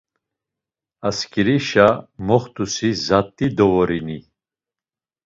Asǩerişa moxt̆usi zat̆i dovorini.